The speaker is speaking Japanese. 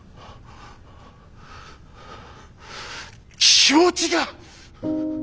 気持ちが！